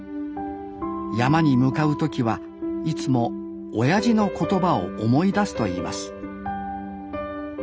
山に向かう時はいつもおやじの言葉を思い出すと言います